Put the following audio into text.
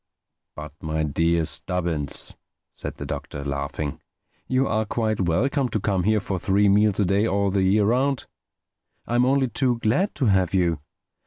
"But my dear Stubbins," said the Doctor, laughing, "you are quite welcome to come here for three meals a day all the year round. I'm only too glad to have you.